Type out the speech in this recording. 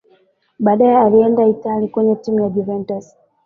baadaye alienda italia kwenye timu ya juventus